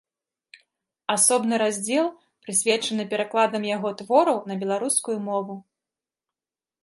Асобны раздзел прысвечаны перакладам яго твораў на беларускую мову.